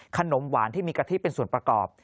ขนมหวานที่มีกะทิเป็นส่วนประกอบ